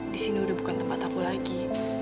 di sini udah bukan tempat aku lagi